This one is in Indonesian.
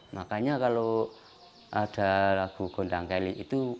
makanya kalau ada lagu gondang kelin itu